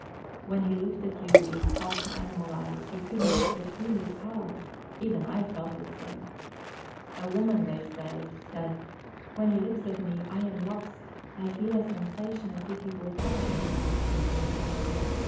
When he looked at you with his hot animal eyes, you could not but feel his power; even I felt it so. A woman, they say, said: "When he looks at me, I am lost; I feel a sensation as if he were touching me."